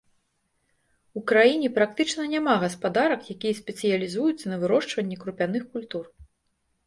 У краіне практычна няма гаспадарак, якія спецыялізуюцца на вырошчванні крупяных культур.